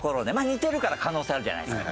似てるから可能性あるじゃないですか。